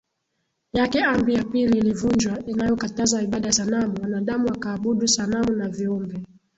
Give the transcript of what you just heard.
Yake amri ya pili ilivunjwa inayokataza ibada ya sanamu wanadamu wakaabudu sanamu na viumbe